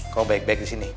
kamu baik baik di sini